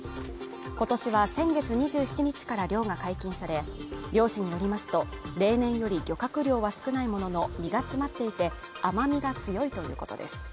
今年は先月２７日から漁が解禁され、漁師によりますと、例年より漁獲量は少ないものの、身が詰まっていて甘みが強いということです。